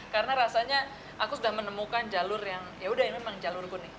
karena rasanya aku sudah menemukan jalur yang yaudah ini memang jalurku nih